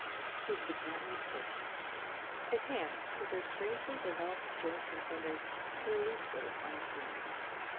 He was apparently asleep. His hands, with their strangely developed joints and fingers, lay loosely upon his knees.